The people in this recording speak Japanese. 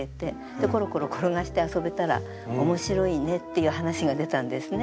でコロコロ転がして遊べたら面白いねっていう話が出たんですね。